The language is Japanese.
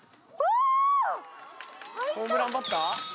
ホームランバッター？